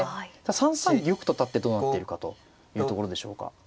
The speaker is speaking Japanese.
３三玉と立ってどうなっているかというところでしょうか。